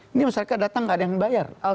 ini masyarakat datang tidak ada yang membayar